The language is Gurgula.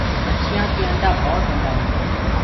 مڇيآ ڪآ آنڊآ ڀوت هوندآ هينٚ۔